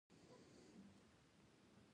د دښتو د اړتیاوو لپاره اقدامات کېږي.